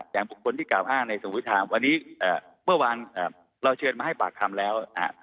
บุคคลที่กล่าวอ้างในสมมุติทามวันนี้เมื่อวานเราเชิญมาให้ปากคำแล้วนะฮะ